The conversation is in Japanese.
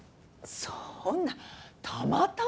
そんなたまたまよ？